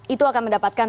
itu akan mendapatkan